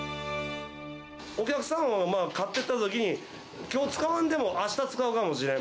お客さんが買ってったときにきょう使わんでもあした使うかもしれん。